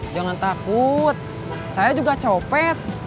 jangan takut saya juga copet